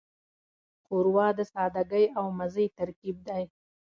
ښوروا د سادګۍ او مزې ترکیب دی.